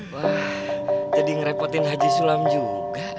wah jadi ngerepotin haji sulam juga